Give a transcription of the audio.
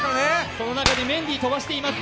その中でメンディー飛ばしています。